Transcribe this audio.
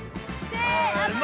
せの。